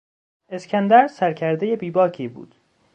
اسکندر سرکردهی بیباکی بود.